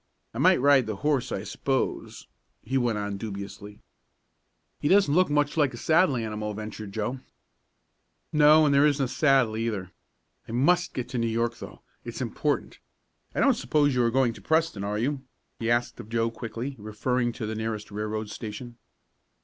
"I might ride the horse, I suppose," he went on dubiously. "He doesn't look much like a saddle animal," ventured Joe. "No, and there isn't a saddle, either. I must get to New York though it's important. I don't suppose you are going to Preston; are you?" he asked of Joe quickly, referring to the nearest railroad station.